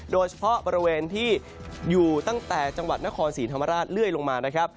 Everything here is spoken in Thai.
โดยเฉพาะบริเวณที่อยู่ตั้งแต่จังหวัดนครศรีธรรมราชเรื่อยลงมานะครับ